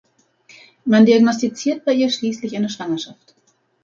Man diagnostiziert bei ihr schließlich eine Schwangerschaft.